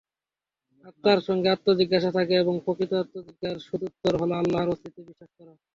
আত্মার সঙ্গে আত্মজিজ্ঞাসা থাকে এবং প্রকৃত আত্মজিজ্ঞাসার সদুত্তর হলো আল্লাহর অস্তিত্বে বিশ্বাস করা।